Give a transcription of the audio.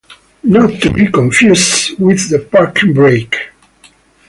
Not to be confused with the parking brake.